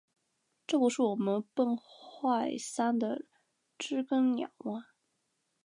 这不是我们崩坏三的知更鸟吗